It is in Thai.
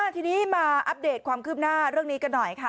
ทีนี้มาอัปเดตความคืบหน้าเรื่องนี้กันหน่อยค่ะ